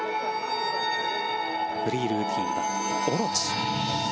フリールーティンは「オロチ」。